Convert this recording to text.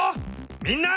みんな！